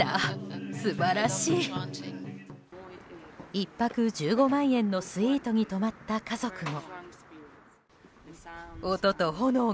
１泊１５万円のスイートに泊まった家族も。